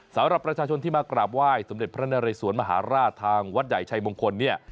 สำหรับประชาชนที่มากราบไหว้สมเด็จพระนเรสวนมหาราชทางวัดใหญ่ชัยมงคลเนี่ย